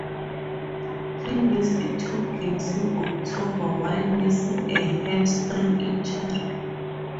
He missed two games in October while nursing a hamstring injury.